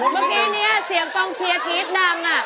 เมื่อกี้เนี่ยเสียงกองเชียร์กรี๊ดดัง